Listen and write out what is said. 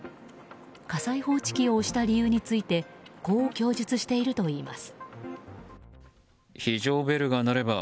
火災報知機を押した理由についてこう供述しているといいます。